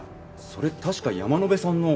それ確か山野辺さんの。